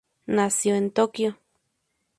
Nació en Tokio.